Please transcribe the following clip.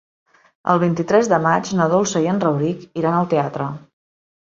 El vint-i-tres de maig na Dolça i en Rauric iran al teatre.